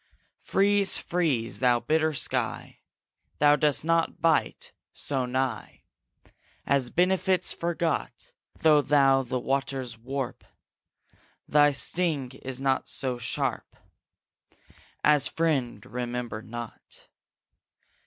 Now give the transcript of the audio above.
Freeze, freeze, thou bitter sky, Thou dost not bite so nigh As benefits forgot: Though thou the waters warp, Thy sting is not so sharp As friend remembered not.